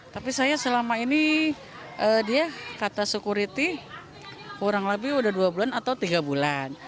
tapi saya selama ini dia kata security kurang lebih udah dua bulan atau tiga bulan